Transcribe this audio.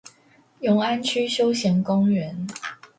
永安區休閒公園